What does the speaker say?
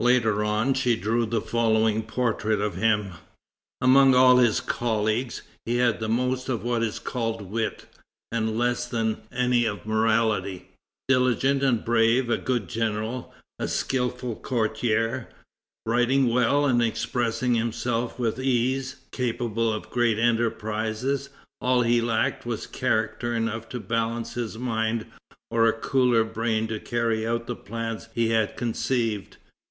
Later on she drew the following portrait of him: "Among all his colleagues, he had most of what is called wit, and less than any of morality. Diligent and brave, a good general, a skilful courtier, writing well and expressing himself with ease, capable of great enterprises, all he lacked was character enough to balance his mind, or a cooler brain to carry out the plans he had conceived.